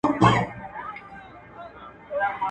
په نصيب يې وې ښادۍ او نعمتونه.